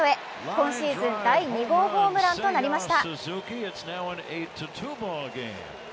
今シーズン第２号ホームランとなりました。